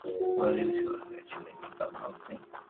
গোরা জিজ্ঞাসা করিল, এ ছেলের কি মা-বাপ নেই?